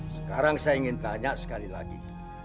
sekarang saya ingin tanya sekali lagi